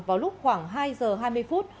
vào lúc khoảng hai giờ hai mươi phút